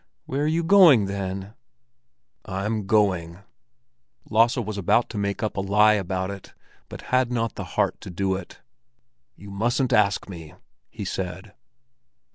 "Where are you going then?" "I'm going—" Lasse was about to make up a lie about it, but had not the heart to do it. "You mustn't ask me!" he said.